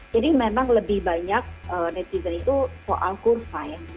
jadi memang lebih banyak netizen itu soal kurva ya